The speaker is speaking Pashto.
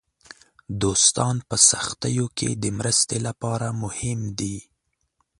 دوستان په سختیو کې د مرستې لپاره مهم دي.